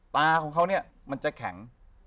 ตาของเขาเนี่ยมันจะแข็ง